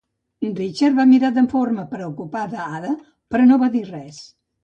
Richard va mirar de forma preocupada Ada, però no va dir res.